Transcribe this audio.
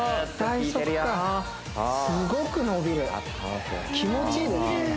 すごく伸びる気持ちいいですね